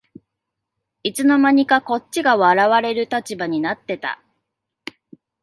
いつの間にかこっちが笑われる立場になってた